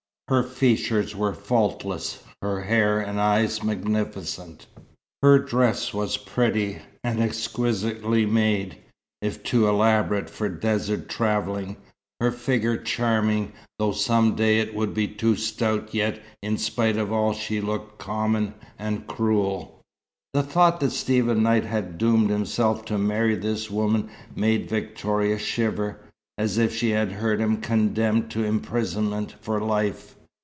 Her features were faultless, her hair and eyes magnificent. Her dress was pretty, and exquisitely made, if too elaborate for desert travelling; her figure charming, though some day it would be too stout; yet in spite of all she looked common and cruel. The thought that Stephen Knight had doomed himself to marry this woman made Victoria shiver, as if she had heard him condemned to imprisonment for life.